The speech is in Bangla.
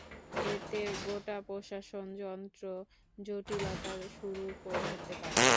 এতে গোটা প্রশাসনযন্ত্রে জটিলতা শুরু হতে পারে।